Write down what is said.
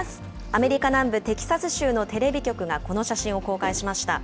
アメリカ南部テキサス州のテレビ局がこの写真を公開しました。